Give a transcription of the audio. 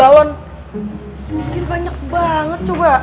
bawain banyak banget coba